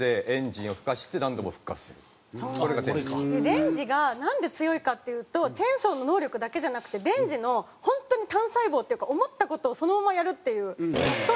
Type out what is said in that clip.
デンジがなんで強いかっていうとチェンソーの能力だけじゃなくてデンジの本当に単細胞っていうか思った事をそのままやるっていう発想力